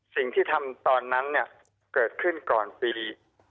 สิ่งที่ทำตอนนั้นเนี่ยเกิดขึ้นก่อนปี